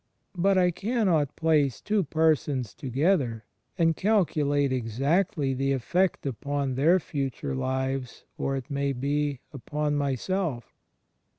But I cannot place two persons together and calculate exactly the effect upon their future lives, or, it may be, upon myself.